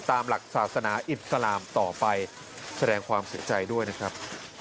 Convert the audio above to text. ตามหลักศาสนาอิสลามต่อไปแสดงความเสียใจด้วยนะครับ